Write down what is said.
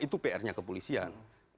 itu pr nya kepolisian